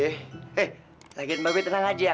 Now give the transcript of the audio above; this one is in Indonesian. eh lagian mabek tenang aja ya